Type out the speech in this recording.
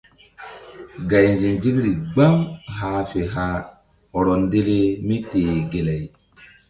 Gay nzinzikri gbam hah fe hah hɔrɔ ndele míteh gelay.